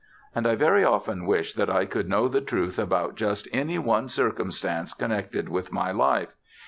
And I very often wish that I could know the truth about just any one circumstance connected with my life....